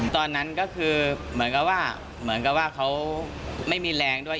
ตอนนั้นก็คือเหมือนกับว่าเหมือนกับว่าเขาไม่มีแรงด้วย